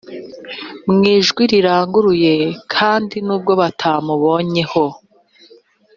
mu ijwi riranguruye kandi nubwo batamubonyeho